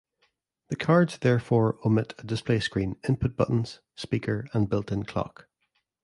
The cards therefore omit a display screen, input buttons, speaker and built-in clock.